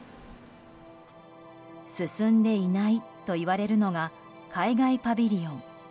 進んでいないといわれるのが海外パビリオン。